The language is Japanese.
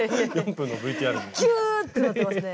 キューッってなってますね。